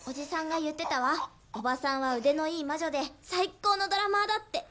おばさんは腕のいい魔女で最高のドラマーだって！